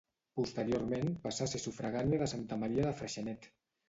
Posteriorment passà a ser sufragània de Santa Maria de Freixenet.